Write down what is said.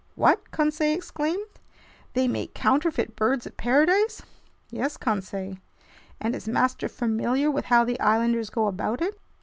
"What!" Conseil exclaimed. "They make counterfeit birds of paradise?" "Yes, Conseil." "And is master familiar with how the islanders go about it?"